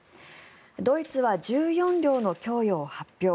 ドイツは１４両の供与を発表